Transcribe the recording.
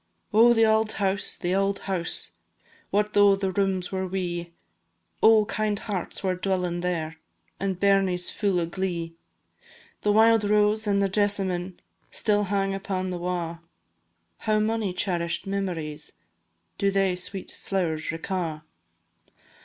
Oh, the auld house, the auld house! What though the rooms were wee? Oh, kind hearts were dwelling there, And bairnies fu' o' glee! The wild rose and the jesamine Still hang upon the wa'; How mony cherish'd memories Do they, sweet flowers, reca'!